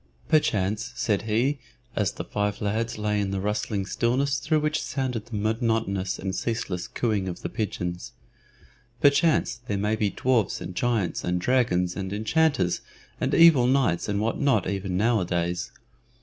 "Perchance," said he, as the five lads lay in the rustling stillness through which sounded the monotonous and ceaseless cooing of the pigeons "perchance there may be dwarfs and giants and dragons and enchanters and evil knights and what not even nowadays.